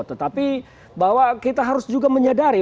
tetapi bahwa kita harus juga menyadari